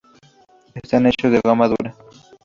Están hechos de goma dura.